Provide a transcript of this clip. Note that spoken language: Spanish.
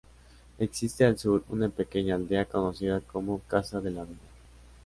Existe al sur, una pequeña aldea conocida como "Casa de la Vega".